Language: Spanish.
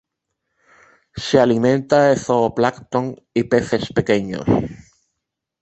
Se alimenta de zooplancton y peces pequeños.